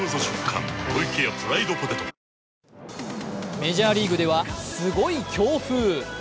メジャーリーグではすごい強風。